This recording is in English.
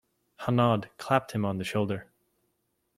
Hanaud clapped him on the shoulder.